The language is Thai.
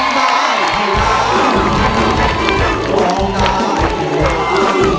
เก่งมาก